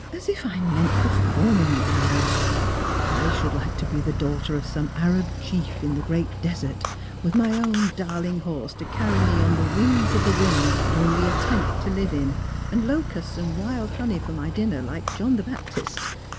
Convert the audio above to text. " As if I meant performing Araba ! I should like to be the daughter of som© 56 Strangers and Pilgrlmt. Arab chief in the great desert, with my own darling horse to carry me on the wings of the wind, and only a tent to live in, and locusta and wild honey for my dinner, like John the Baptist.